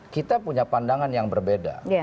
kita punya pandangan yang berbeda